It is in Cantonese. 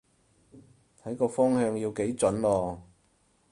睇個方向要幾準囉